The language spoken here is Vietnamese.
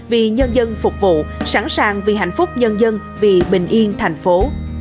vì nhân dân phục vụ sẵn sàng vì hạnh phúc nhân dân vì bình yên thành phố